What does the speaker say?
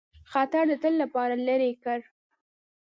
خطر د تل لپاره لیري کړ.